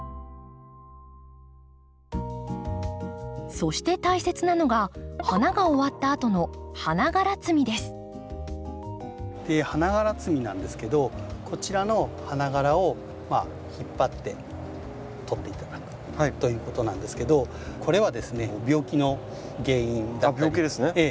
そして大切なのが花が終わったあとの花がら摘みなんですけどこちらの花がらを引っ張って取って頂くということなんですけどこれはですね病気の原因だったりしますのでこれを取ります。